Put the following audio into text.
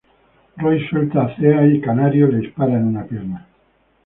Roy suelta a Thea y "Canario" le dispara en una pierna.